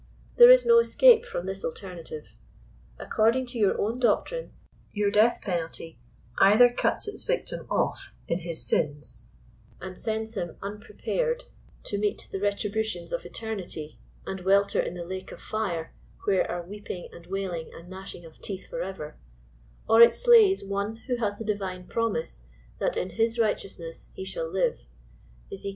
There is no escape from this alternative. According to your own doctrine, your death penalty either cuts its victim off in his sins and sends him, unprepared, to meet the retributions of eternity, and welter in the lake of fire where are weeping and wailing and gnashing of teeth forever ; or it slays one who has the divine promise that in his righteousness he shall live, (Ezek.